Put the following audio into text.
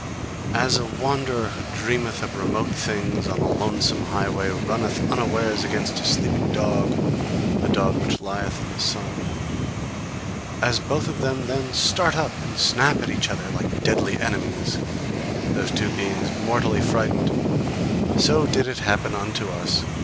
As a wanderer who dreameth of remote things on a lonesome highway, runneth unawares against a sleeping dog, a dog which lieth in the sun: As both of them then start up and snap at each other, like deadly enemies, those two beings mortally frightened so did it happen unto us.